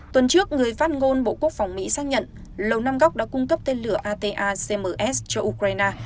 tuần trước người phát ngôn bộ quốc phòng mỹ xác nhận lầu năm góc đã cung cấp tên lửa ata cms cho ukraine